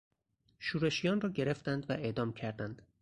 شورشیان را گرفتند و اعدام کردند.